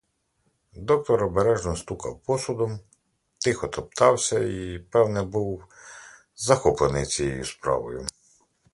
Доктор обережно стукав посудом, тихо топтався й, певне, був захоплений цією справою.